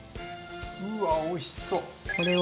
うわおいしそう！